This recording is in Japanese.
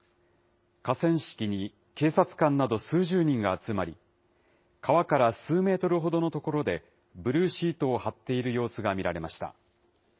河川敷に警察官など数十人が集まり、川から数メートルほどの所で、ブルーシートを張っている様子が見られました。